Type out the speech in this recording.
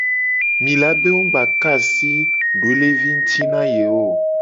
Mi la be wo mu gba ka asi doelevi nguti na ye o.